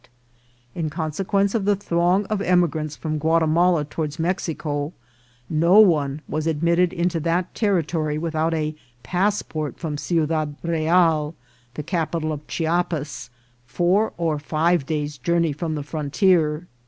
t In consequence of the throng of emi grants from Guatimala toward Mexico, no one was ad mitted into that territory without a passport from Ciu dad Real, the capital of Chiapas, four or five days' journey from the frontier.